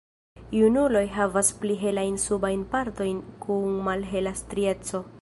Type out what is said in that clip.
Junuloj havas pli helajn subajn partojn kun malhela strieco.